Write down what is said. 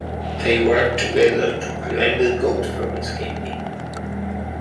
They work together to prevent the goat from escaping.